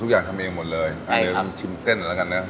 ทุกอย่างทำเองหมดเลยใช่ครับชิมเส้นหน่อยละกันเนอะครับ